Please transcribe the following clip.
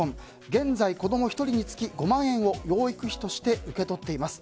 現在、子供１人につき５万円を養育費として受け取っています。